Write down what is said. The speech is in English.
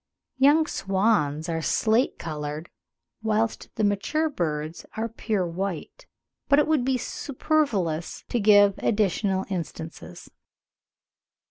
Young swans are slate coloured, whilst the mature birds are pure white; but it would be superfluous to give additional instances.